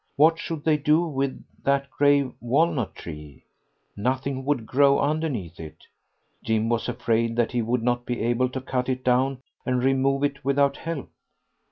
What should they do with that great walnut tree? Nothing would grow underneath it. Jim was afraid that he would not be able to cut it down and remove it without help.